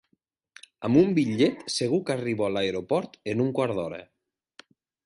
Amb un bitllet segur que arribo a l'aeroport en un quart d'hora.